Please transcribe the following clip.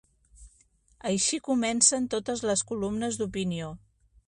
Així comencen totes les columnes d'opinió.